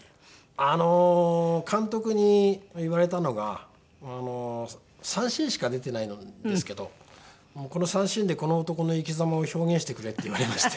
あの監督に言われたのが３シーンしか出てないんですけど「この３シーンでこの男の生き様を表現してくれ」って言われまして。